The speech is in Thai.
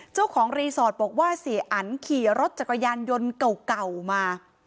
เจ้าของรีสอร์ทบอกว่าเสียอันขี่รถจักรยานยนต์เก่ามา